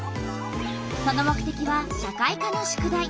その目てきは社会科の宿題。